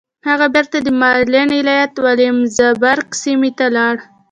هغه بېرته د ماريلنډ ايالت د ويلمزبرګ سيمې ته لاړ.